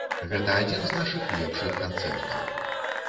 Гэта адзін з нашых лепшых канцэртаў.